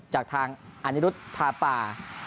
จากทางอนิรุธทาปา